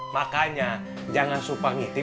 makanya jangan suka ngiti